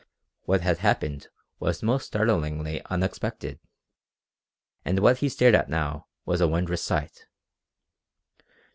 What had happened was most startlingly unexpected, and what he stared at now was a wondrous sight!